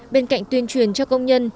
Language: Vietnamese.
bên cạnh tuyên truyền cho công nhân